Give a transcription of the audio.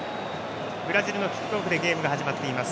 ブラジルのキックオフでゲームが始まっています。